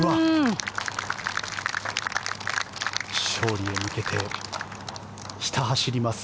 勝利へ向けて、ひた走ります。